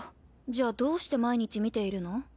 じゃあどうして毎日見ているの？